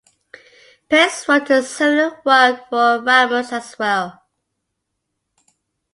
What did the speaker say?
Pace wrote a similar work for Ramus as well.